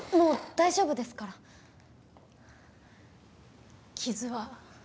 大丈夫ですから傷は？